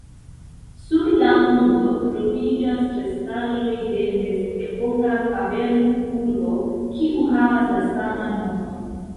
Sur la monto troviĝas restaĵoj de mezepoka kavern-urbo, kiu havas la saman nomon.